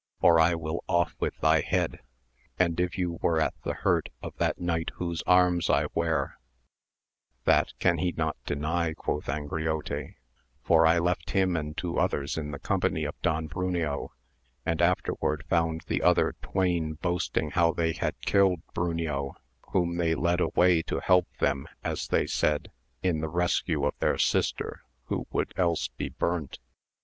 or I will off with thy head ; and if you were at the hurt of that knight whose arms I wearl That can he not deny, quoth Angriote, for I left him and two others in the company of Don Bruneo, and afterward found the other twain boasting how they had killed Bruneo, whom they led away to help thepi as they said in the rescue of their sister, who would else be burnt.